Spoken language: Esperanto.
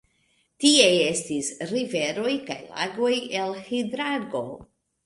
Tie estis riveroj kaj lagoj el hidrargo.